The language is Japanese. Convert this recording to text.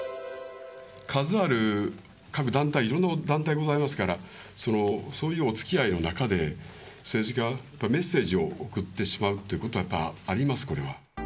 数ある各団体、いろんな団体ございますから、そういうおつきあいの中で、政治家がメッセージを送ってしまうということはやっぱあります、これは。